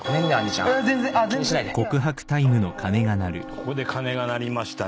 ここで鐘が鳴りましたね。